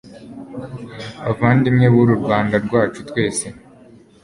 bavandimwe, b'uru rwanda rwacu twese